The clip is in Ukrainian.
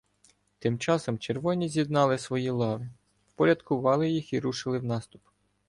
Тим часом червоні з'єднали свої лави, впорядкували їх і рушили в наступ.